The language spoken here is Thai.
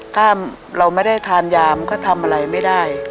ถ้าเราไม่ได้ทานยามก็ทำอะไรไม่ได้